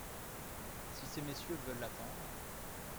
Si ces messieurs veulent attendre ?